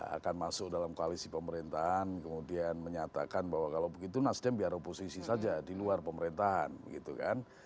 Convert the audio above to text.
akan masuk dalam koalisi pemerintahan kemudian menyatakan bahwa kalau begitu nasdem biar oposisi saja di luar pemerintahan gitu kan